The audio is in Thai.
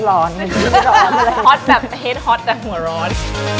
ฮอตแบบเฮดฮอตแต่หัวร้อน